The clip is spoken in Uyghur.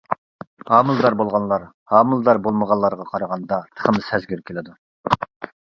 ھامىلىدار بولغانلار، ھامىلىدار بولمىغانلارغا قارىغاندا تېخىمۇ سەزگۈر كېلىدۇ.